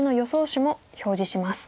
手も表示します。